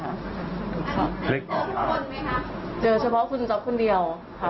เจอเฉพาะคุณจ๊อบคนเดียว